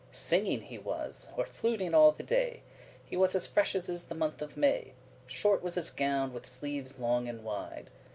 Singing he was, or fluting all the day; He was as fresh as is the month of May. Short was his gown, with sleeves long and wide.